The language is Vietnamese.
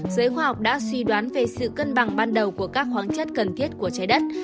giới khoa học đã suy đoán về sự cân bằng ban đầu của các khoáng chất cần thiết của trái đất